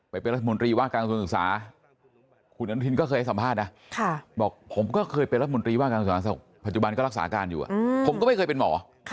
ไปเป็นรัฐมนตรีว่าการกระทรวงศึกษาคุณอนุทินก็เคยให้สัมภาษณ์นะบอกผมก็เคยเป็นรัฐมนตรีว่าการสาธารณสุขปัจจุบันก็รักษาการอยู่ผมก็ไม่เคยเป็นหมอ